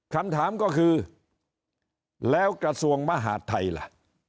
คำถามก็คือแล้วกระทรวงมหาดไทยล่ะ